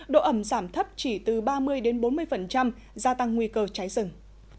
độ ẩm giảm thấp chỉ từ ba mươi bốn mươi gia tăng nguy cơ cháy rừng